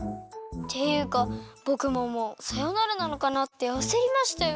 ていうかぼくももうさよならなのかなってあせりましたよ。